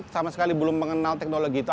sama sekali belum mengenal teknologi itu